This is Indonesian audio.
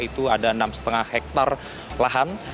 itu ada enam lima hektare lahan